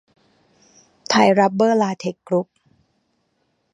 ไทยรับเบอร์ลาเท็คซ์กรุ๊ป